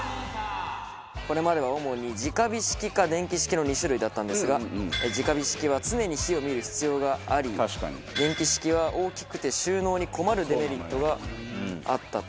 これまでは主に直火式か電気式の２種類だったんですが直火式は常に火を見る必要があり電気式は大きくて収納に困るデメリットがあったと。